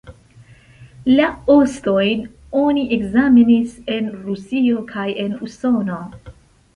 La ostojn oni ekzamenis en Rusio kaj en Usono.